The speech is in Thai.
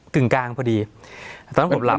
กึ่งกลางพอดีตอนนั้นผมหลับ